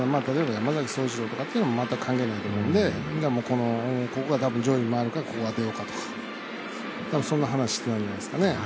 山崎颯一郎とかは全く考えないと思うんでここはこう回るからこうあてようかとかそんな話をしてたんじゃないですかね。